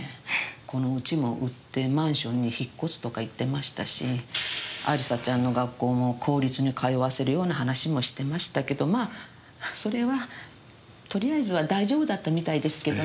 この家も売ってマンションに引っ越すとか言ってましたし亜里沙ちゃんの学校も公立に通わせるような話もしてましたけどまあそれはとりあえずは大丈夫だったみたいですけどね。